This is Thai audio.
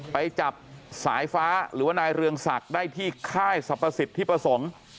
ไปจับสายฟ้าหรือว่านายเรืองศักดิ์ได้ที่ค่ายสรรพสิทธิประสงค์